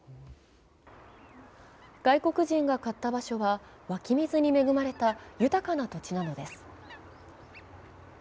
外国人が買った場所は湧き水に恵まれた豊かな土地なのです。